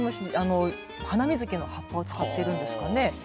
ハナミズキの葉っぱを使っているんですかね。